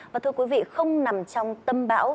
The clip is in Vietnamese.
và thưa quý vị không nằm trong tâm bão